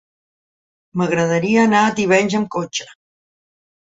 M'agradaria anar a Tivenys amb cotxe.